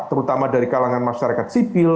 terutama dari kalangan masyarakat sipil